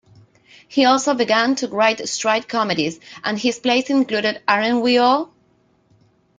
He also began to write straight comedies, and his plays included Aren't We All?